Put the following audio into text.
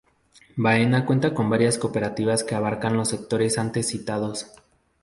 Baena cuenta con varias cooperativas que abarcan los sectores antes citados.